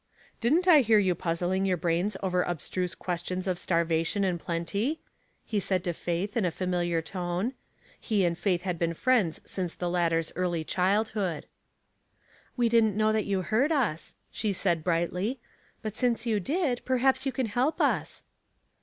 '* Didn't I hear you puzzling your brains over abstruse questions of starvation and plenty ?" he said to Faith, in a familiar tone. He and Faith had been friends since the hitter's early childhood. *' We didn't know that you heard us," she said, brightly. " But since you did, perhaps you can help us."